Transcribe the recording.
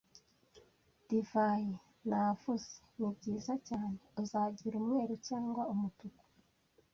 “Divayi?” Navuze. “Ni byiza cyane. Uzagira umweru cyangwa umutuku? ”